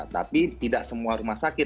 tapi tidak semua rumah sakit